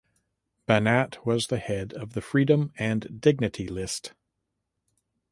Banat was the head of the Freedom and Dignity List.